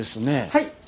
はい。